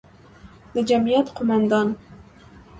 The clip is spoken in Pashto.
د جمعیت قوماندان،